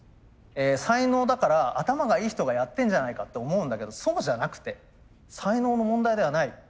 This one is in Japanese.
才能だから頭がいい人がやってんじゃないかって思うんだけどそうじゃなくて才能の問題ではない。